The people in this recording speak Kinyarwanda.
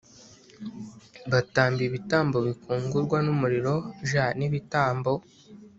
batamba ibitambo bikongorwa n umuriro j n ibitambo